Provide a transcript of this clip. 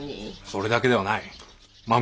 それだけではない。